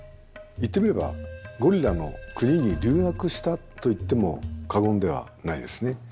言ってみればゴリラの国に留学したと言っても過言ではないですね。